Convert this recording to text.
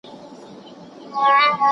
د وګړو ترمنځ همږغي د ټولنيز ثبات بنسټ دی.